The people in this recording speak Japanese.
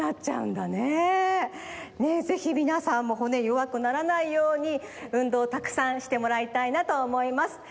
ぜひみなさんも骨よわくならないように運動をたくさんしてもらいたいなとおもいます。